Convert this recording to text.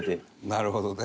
なるほどね。